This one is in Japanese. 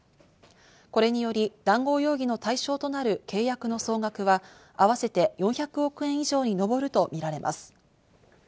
これにより談合容疑の対象となる契約の総額は合わせて４００億円以上にのぼるとみられます。